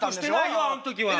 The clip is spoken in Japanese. あん時は。